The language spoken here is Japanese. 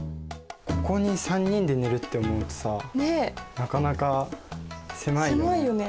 ここに３人で寝るって思うとさなかなか狭いよね。